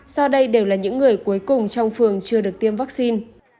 do đây đều là những người cuối cùng trong phường chưa được tiêm vaccine